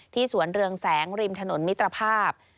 สวนเรืองแสงริมถนนมิตรภาพ